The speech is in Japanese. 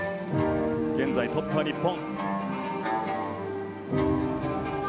現在トップは日本。